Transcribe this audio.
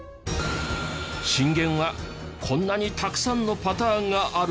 震源はこんなにたくさんのパターンがあるんです。